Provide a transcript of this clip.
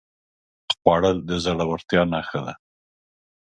خوړل د زړورتیا نښه ده